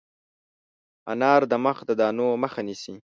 انار د مخ د دانو مخه نیسي.